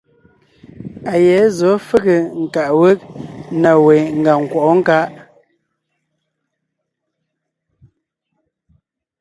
A yɛ̌ zɔ̌ fege nkaʼ wég na we megàŋ nkwɔ́ʼɔ nkaʼ.